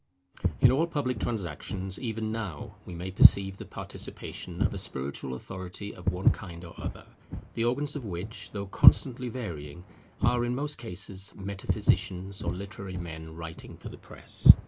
In all public transactions even now we may perceive the participation of a spiritual authority of one kind or other; the organs of which, though constantly varying, are in most cases metaphysicians or literary men writing for the press.